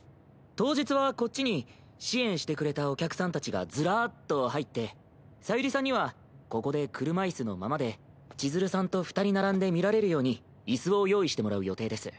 当日はこっちに支援してくれたお客さんたちがずらっと入って小百合さんにはここで車椅子のままでちづるさんと二人並んで見られるように椅子を用意してもらう予定です。